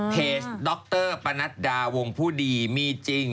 เพจด็อกเตอร์ประนัดดาวงผู้ดีมีจริง